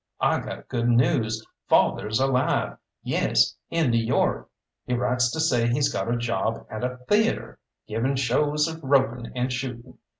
I got good news. Father's alive, yes, in New York. He writes to say he's got a job at a theatre, giving shows of roping and shooting.